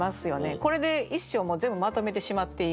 これで一首を全部まとめてしまっている。